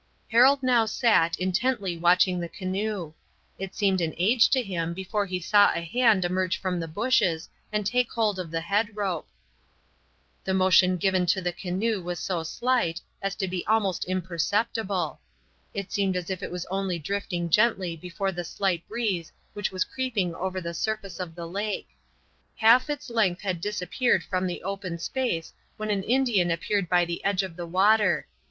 Harold now sat intently watching the canoe. It seemed an age to him before he saw a hand emerge from the bushes and take hold of the head rope. The motion given to the canoe was so slight as to be almost imperceptible; it seemed as if it was only drifting gently before the slight breeze which was creeping over the surface of the lake. Half its length had disappeared from the open space, when an Indian appeared by the edge of the water.